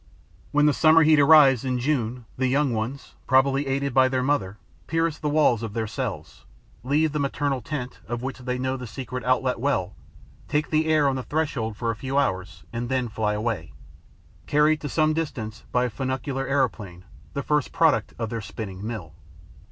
When the summer heat arrives, in June, the young ones, probably aided by their mother, pierce the walls of their cells, leave the maternal tent, of which they know the secret outlet well, take the air on the threshold for a few hours and then fly away, carried to some distance by a funicular aeroplane, the first product of their spinning mill.